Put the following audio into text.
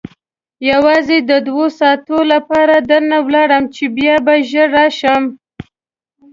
یوازې د دوو ساعتو لپاره درنه ولاړم چې بیا به ژر راشم.